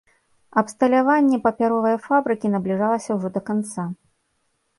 Абсталяванне папяровае фабрыкі набліжалася ўжо да канца.